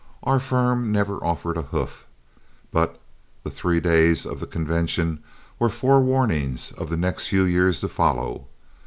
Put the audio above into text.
Our firm never offered a hoof, but the three days of the convention were forewarnings of the next few years to follow.